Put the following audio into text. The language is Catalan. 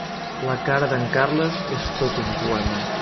La cara d'en Carles és tot un poema.